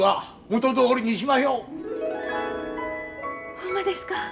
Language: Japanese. ほんまですか？